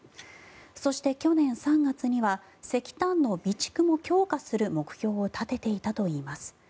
そして、去年３月には石炭の備蓄も強化する目標を立てていたといいます。